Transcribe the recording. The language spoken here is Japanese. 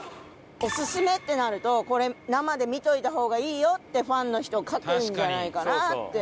おすすめってなるとこれ生で見ておいた方がいいよってファンの人は書くんじゃないかなって。